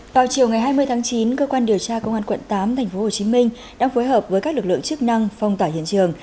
vào chiều ngày hai mươi tháng chín cơ quan điều tra công an quận tám tp hcm đang phối hợp với các lực lượng chức năng phong tỏa hiện trường